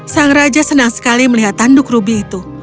sang raja senang sekali melihat tanduk rubi itu